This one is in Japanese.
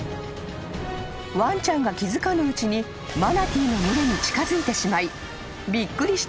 ［ワンちゃんが気付かぬうちにマナティーの群れに近づいてしまいびっくりした］